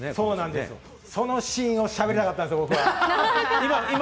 そのシーンを僕は喋りたかったんです。